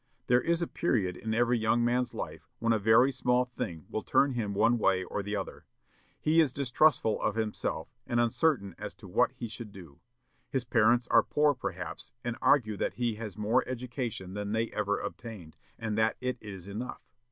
There is a period in every young man's life when a very small thing will turn him one way or the other. He is distrustful of himself, and uncertain as to what he should do. His parents are poor, perhaps, and argue that he has more education than they ever obtained, and that it is enough.